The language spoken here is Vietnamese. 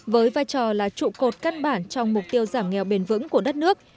với vai trò là trụ cột căn bản trong mục tiêu giảm nghèo bền vững của đất nước